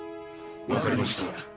わかりました。